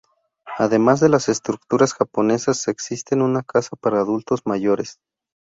Además de las estructuras japonesas, existe una casa para adultos mayores.